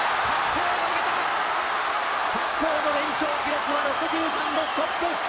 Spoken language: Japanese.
白鵬の連勝記録は６３でストップ。